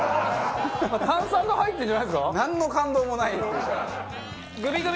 炭酸が入ってるんじゃないんですか？